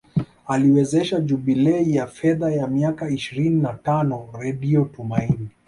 Aliwezesha jubilei ya fedha ya miaka ishirini na tano redio Tumaini